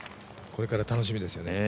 これから楽しみですよね。